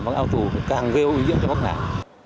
bằng ao tủ càng gây ưu nhiễm cho bắc hải